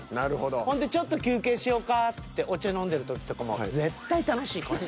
ほんでちょっと休憩しようかってお茶飲んでる時とかも絶対楽しい子。